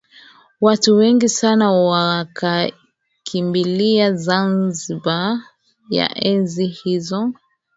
Watu wengi sana wakaikimbia Zanzibar ya enzi hizo